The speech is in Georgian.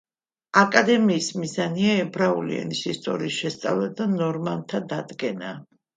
აკადემიის მიზანია ებრაული ენის ისტორიის შესწავლა და ნორმათა დადგენა.